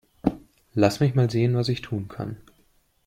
Lass mich mal sehen, was ich tun kann.